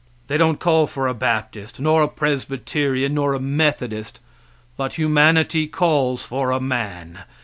They don't call for a Baptist, nor a Presbyterian, nor a Methodist, but humanity calls for a man.